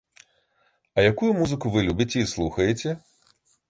А якую музыку вы любіце і слухаеце?